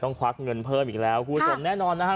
ควักเงินเพิ่มอีกแล้วคุณผู้ชมแน่นอนนะฮะ